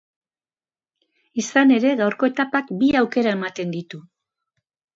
Izan ere, gaurko etapak bi aukera ematen ditu.